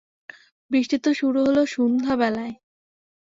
বৃষ্টি তো শুরু হল সুন্ধ্যাবেলায়।